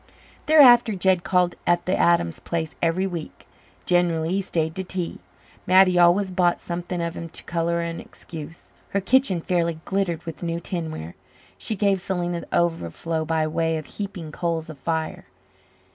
Thereafter Jed called at the Adams place every week. Generally he stayed to tea. Mattie always bought something of him to colour an excuse. Her kitchen fairly glittered with new tinware. She gave Selena the overflow by way of heaping coals of fire.